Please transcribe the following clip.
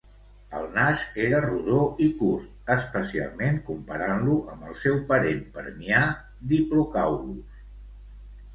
El nas era rodó i curt, especialment comparant-lo amb el seu parent permià, "Diplocaulus".